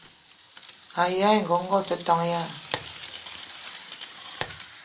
Aya ngogo o te ton ya?